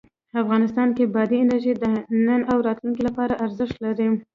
افغانستان کې بادي انرژي د نن او راتلونکي لپاره ارزښت لري.